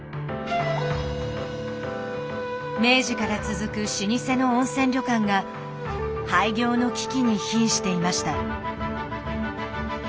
明治から続く老舗の温泉旅館が廃業の危機にひんしていました。